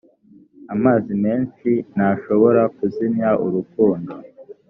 amazi menshi ntashobora kuzimya urukundo